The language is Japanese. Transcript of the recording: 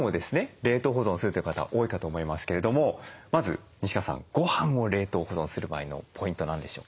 冷凍保存するという方多いかと思いますけれどもまず西川さんごはんを冷凍保存する場合のポイント何でしょう？